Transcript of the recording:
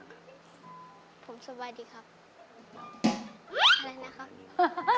อะไรนะครับ